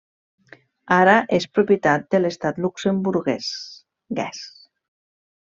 Ara és propietat de l'Estat luxemburguès.